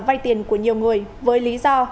vay tiền của nhiều người với lý do